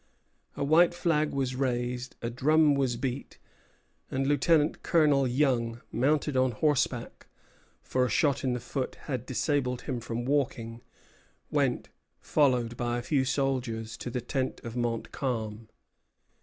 A white flag was raised, a drum was beat, and Lieutenant Colonel Young, mounted on horseback, for a shot in the foot had disabled him from walking, went, followed by a few soldiers, to the tent of Montcalm.